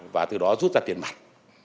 và từ đó rút ra tiền mặt